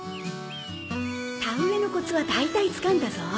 田植えのコツは大体つかんだぞ